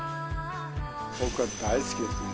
僕は大好きですね。